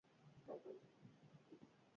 Egunero seietan jaikitzen naiz